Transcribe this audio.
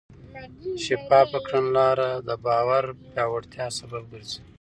شفافه کړنلاره د باور پیاوړتیا سبب ګرځي.